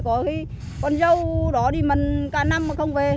có khi con dâu đó đi mần cả năm mà không về